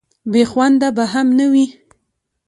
بې خونده به هم نه وي.